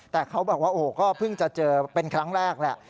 แต่เขาบอกว่าโอ้ก็เพิ่งจะเจอเป็นครั้งแรกแหละ